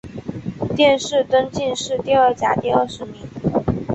殿试登进士第二甲第二十名。